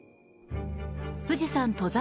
富士山登山